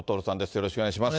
よろしくお願いします。